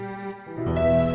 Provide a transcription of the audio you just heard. ceng eh tunggu